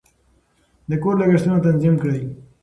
د کور لګښتونه تنظیم کړئ.